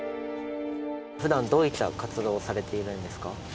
ふだん、どういった活動をされているんですか？